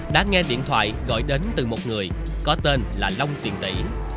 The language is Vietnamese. đã nghe điện thoại gọi đến từ một người có tên là long tiền tỷ